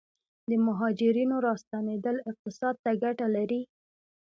د مهاجرینو راستنیدل اقتصاد ته ګټه لري؟